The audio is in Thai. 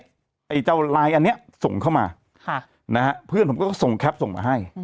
ไอ้เจ้าไลน์อันนี้ส่งเข้ามาเพื่อนผมก็ส่งแคปส่งมาให้